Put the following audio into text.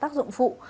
tác dụng phụ